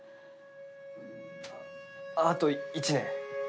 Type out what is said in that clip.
あと１年。